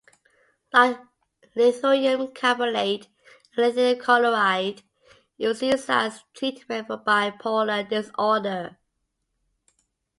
Like lithium carbonate and lithium chloride it was used as treatment for bipolar disorder.